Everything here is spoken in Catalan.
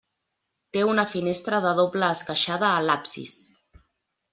Té una finestra de doble esqueixada a l'absis.